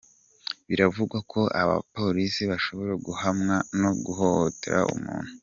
Biravugwa ko aba bapolisi bashobora guhamwa no guhohotera umuntu.